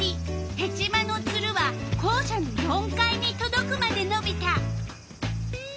ヘチマのツルは校舎の４階にとどくまでのびた。